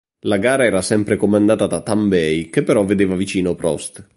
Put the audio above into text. La gara era sempre comandata da Tambay, che però vedeva vicino Prost.